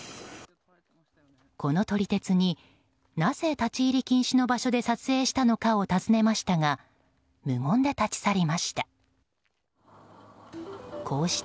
この撮り鉄になぜ立ち入り禁止の場所で撮影したのかを尋ねましたが無言で立ち去りました。